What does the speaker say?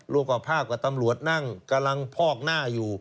รูปกับภาพกับตำรวจนั่งกำลังพอกหน้าอยู่